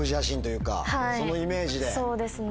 はいそうですね。